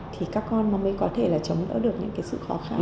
thì các con nó mới có thể là chống đỡ được những cái sự khó khăn